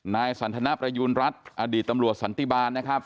นายสันทนประยูณรัฐอดีตตำรวจสันติบาลนะครับ